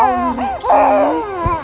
ya allah reki